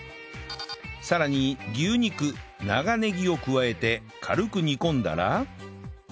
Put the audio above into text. さらに牛肉長ネギを加えて軽く煮込んだら